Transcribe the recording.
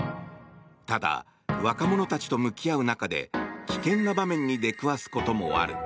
ただ、若者たちと向き合う中で危険な場面に出くわすこともある。